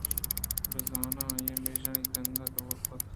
بِہ زاں آئی ءَ میشانی تندے ءَ دئور کُت